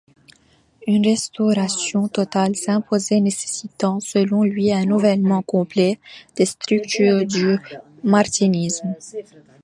Une restauration totale s'imposait nécessitant selon lui un renouvellement complet des structures du martinisme.